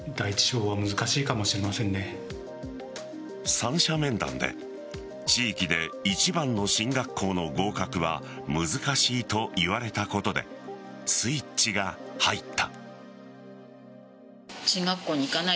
三者面談で地域で一番の進学校の合格は難しいと言われたことでスイッチが入った。